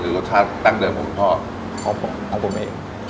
หรือรสชาติตั้งเดิมของพ่อของผมของผมเอง